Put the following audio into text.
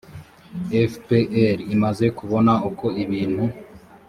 fpr imaze kubona uko ibintu